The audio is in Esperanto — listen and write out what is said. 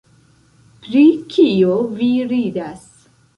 Pri kio vi ridas?